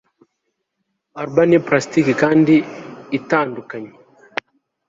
Urbanely plastike kandi itandukanye